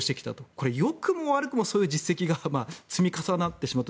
これはよくも悪くもそういう実績が積み重なってしまった。